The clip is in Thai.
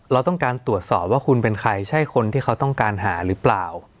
เราต้องการตรวจสอบว่าคุณเป็นใครใช่คนที่เขาต้องการหาหรือเปล่า